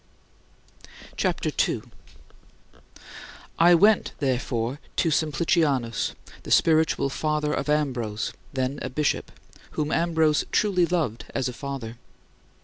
CHAPTER II 3. I went, therefore, to Simplicianus, the spiritual father of Ambrose (then a bishop), whom Ambrose truly loved as a father.